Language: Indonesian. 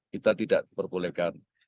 kita tidak memperbolehkan